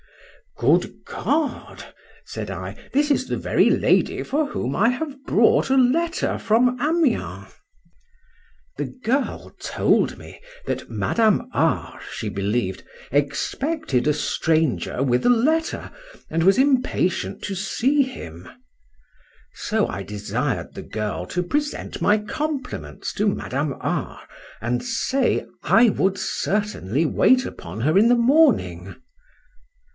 —Good God! said I, 'tis the very lady for whom I have brought a letter from Amiens.—The girl told me that Madame R—, she believed, expected a stranger with a letter, and was impatient to see him:—so I desired the girl to present my compliments to Madame R—, and say, I would certainly wait upon her in the morning.